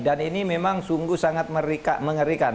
dan ini memang sungguh sangat mengerikan